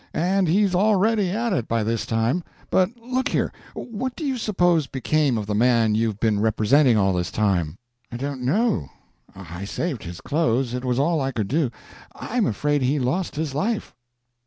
And he's already at it by this time. But look here—what do you suppose became of the man you've been representing all this time?" "I don't know. I saved his clothes—it was all I could do. I am afraid he lost his life."